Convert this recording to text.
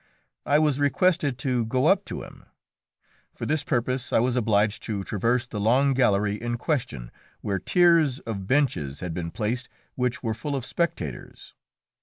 I was requested to go up to him. For this purpose I was obliged to traverse the long gallery in question, where tiers of benches had been placed which were full of spectators.